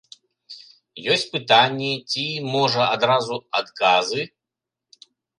Ёсць пытанні ці, можа, адразу адказы?